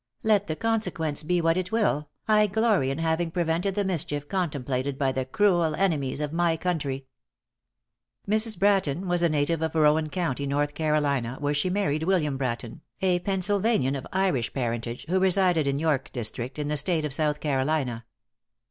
"Let the consequence be what it will, I glory in having prevented the mischief contemplated by the cruel enemies of my country." Mrs. Bratton was a native of Rowan County, North Carolina, where she married William Bratton, a Pennsylvanian of Irish parentage, who resided in York District in the State of South Carolina.